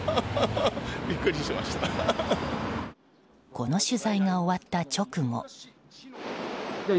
この取材が終わった直後。